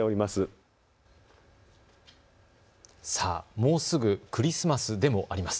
もうすぐクリスマスでもあります。